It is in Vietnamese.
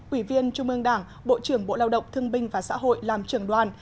ủy viên trung ương đảng bộ trưởng bộ lao động thương binh và xã hội làm trưởng đoàn